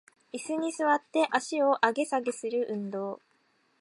イスに座って足を上げ下げする運動